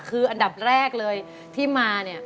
คืออันดับแรกเลยที่มาเนี่ย